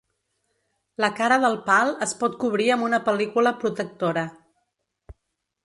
La cara del pal es pot cobrir amb una pel·lícula protectora.